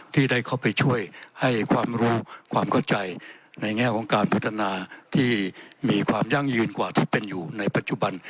ที่ได้เข้าไปช่วยให้ความรู้ความเข้าใจในแง่ของการพัฒนาที่มีความยั่งยืนกว่าที่เป็นอยู่ในปัจจุบัน